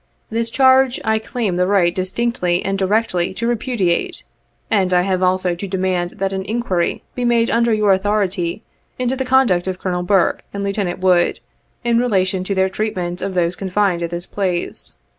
This charge, I claim the right distinctly and directly to repudiate, and I have also to demand that an iuquiry be made under your authority into the conduct of Colonel Burke and Lieutenant Wood, in relation to their treatment of those con fined at this place.